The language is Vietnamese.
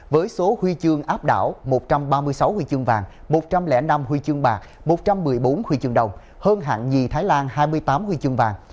với số huy chương áp đảo một trăm ba mươi sáu huy chương vàng một trăm linh năm huy chương bạc một trăm một mươi bốn huy chương đồng hơn hạng nhì thái lan hai mươi tám huy chương vàng